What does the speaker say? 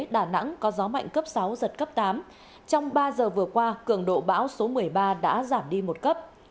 đà nẵng có gió mạnh cấp sáu giật cấp tám trong ba giờ vừa qua cường độ bão số một mươi ba đã giảm đi một cấp